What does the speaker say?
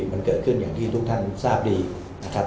มันเกิดขึ้นอย่างที่ทุกท่านทราบดีนะครับ